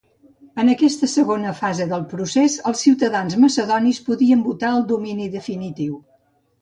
En aquesta segona fase del procés, els ciutadans macedonis podien votar el domini definitiu.